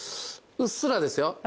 うっすらですよ。